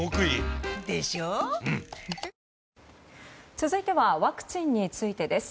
続いてはワクチンについてです。